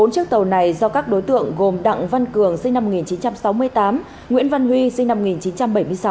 bốn chiếc tàu này do các đối tượng gồm đặng văn cường sinh năm một nghìn chín trăm sáu mươi tám nguyễn văn huy sinh năm một nghìn chín trăm bảy mươi sáu